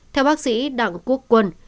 theo bác sĩ đặng quốc quân